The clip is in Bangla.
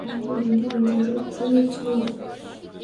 আমাকে বিল্ডিং ইনচার্জের কাছে নিয়ে চল।